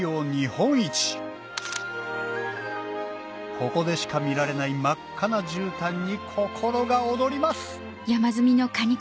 ここでしか見られない真っ赤な絨毯に心が躍ります！